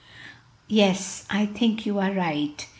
"Yes, I think you are right.